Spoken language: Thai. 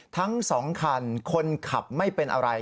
ทั้ง๒คันคนขับไม่เป็นอะไร